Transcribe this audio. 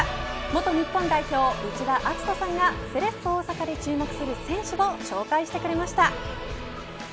元日本代表、内田篤人さんがセレッソ大阪で注目する選手を紹介してくれました。